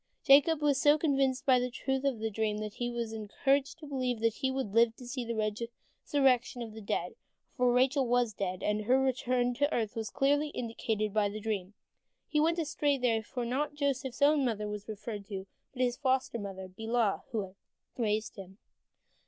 Jacob was so convinced of the truth of the dream that he was encouraged to believe that he would live to see the resurrection of the dead, for Rachel was dead, and her return to earth was clearly indicated by the dream. He went astray there, for not Joseph's own mother was referred to, but his foster mother Bilhah, who had raised him.